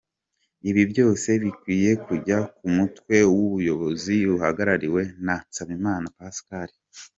Ibi byose bikwiye kujya ku mutwe w’ubuyobozi buhagarariwe na Nsabimana Pascal.